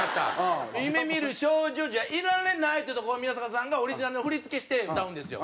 「夢見る少女じゃいられない」ってとこを宮迫さんがオリジナルの振り付けして歌うんですよ。